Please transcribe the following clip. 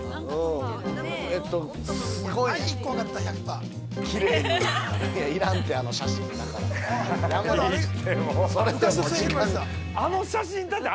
◆すごい、きれいに◆いらんて、あの写真、だから。